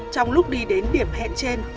trong lúc đi đến điểm hẹn trên